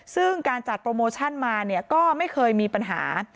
ซึ่งการจัดโปรโมชั่นมาเนี่ยก็ไม่เคยมีปัญหา